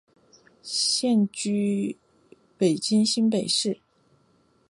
现定居于新北市。